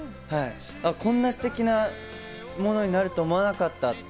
こんなステキなものになると思わなかったって。